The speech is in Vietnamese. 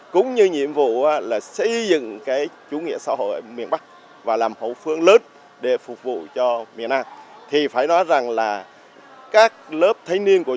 cũng như nhiệm vụ xây dựng chủ nghĩa xã hội miền bắc và làm hậu phương lớn để phục vụ cho miền nam